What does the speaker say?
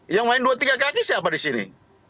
yang main dua tiga kaki siapa di sini